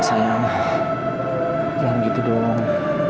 sayang jangan gitu doang